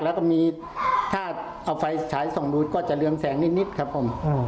แล้วก็มีถ้าเอาไฟฉายส่องดูก็จะเรืองแสงนิดครับผม